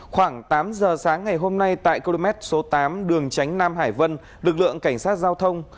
khoảng tám giờ sáng ngày hôm nay tại km số tám đường tránh nam hải vân lực lượng cảnh sát giao thông